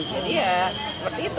jadi ya seperti itu